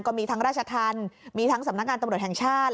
ก็มีทั้งราชธรรมมีทั้งสำนักงานตำรวจแห่งชาติ